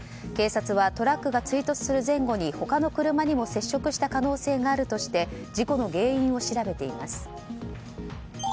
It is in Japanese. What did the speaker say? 警察はトラックが追突する前後に他の車にも接触した可能性があるとして事故の原因を調べています。